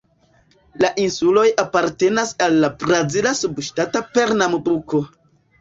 La insuloj apartenas al la brazila subŝtato Pernambuko.